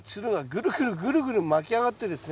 ぐるぐるぐるぐる巻き上がってですね